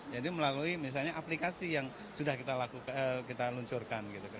jadi melalui misalnya aplikasi yang sudah kita lancurkan